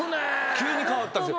急に変わったんですよ。